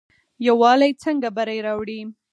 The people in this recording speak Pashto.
یووالی څنګه بری راوړي؟